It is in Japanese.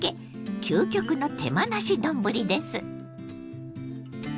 究極の手間なし丼です。